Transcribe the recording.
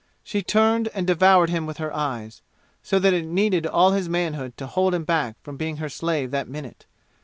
She turned and devoured him with her eyes, so that it needed all his manhood to hold him back from being her slave that minute.